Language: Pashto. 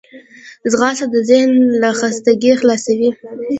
ځغاسته د ذهن له خستګي خلاصوي